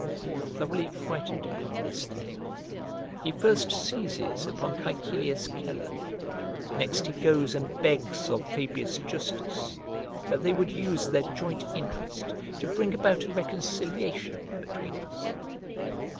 Thoroughly frightened upon this then, he first seizes upon Caecilius Celer, next he goes and begs of Fabius Justus, that they would use their joint interest to bring about a reconciliation between us.